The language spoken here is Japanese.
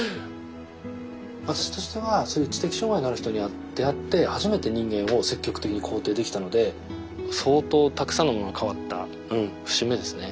私としてはそういう知的障害のある人に出会って初めて人間を積極的に肯定できたので相当たくさんのものが変わった節目ですね。